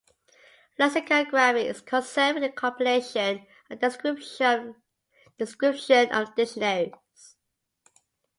Lexicography is concerned with the compilation and description of dictionaries.